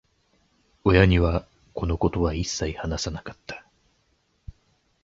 親には、このことは一切話さなかった。